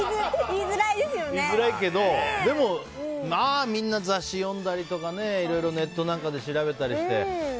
言いづらいけどでも、みんな雑誌読んだりとかネットなんかで調べたりして。